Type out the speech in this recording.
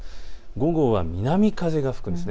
午後は南風が吹くんです。